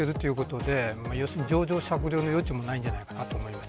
情状酌量の余地もないんじゃないかと思います。